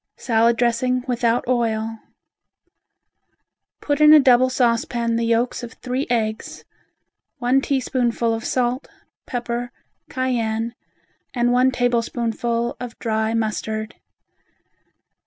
Salad Dressing Without Oil Put in a double saucepan the yolks of three eggs, one teaspoonful of salt, pepper, cayenne, and one tablespoonful of dry mustard.